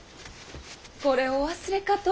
これをお忘れかと。